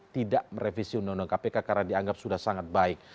tidak merevisi undang undang kpk karena dianggap sudah sangat baik